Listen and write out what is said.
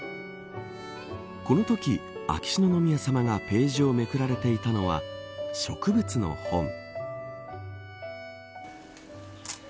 このとき、秋篠宮さまがページをめくられていたのは植物の本。